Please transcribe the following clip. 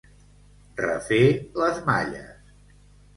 Refer les malles.